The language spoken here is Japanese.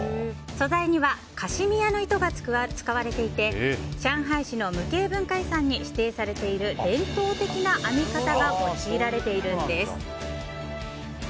素材にはカシミヤの糸が使われていて上海市の無形文化遺産に指定されている伝統的な編み方が用いられているんです。